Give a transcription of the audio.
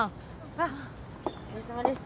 あっお疲れさまです。